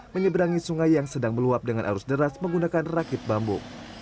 menyeberangi sungai yang sedang meluap dengan arus deras menggunakan rakit bambu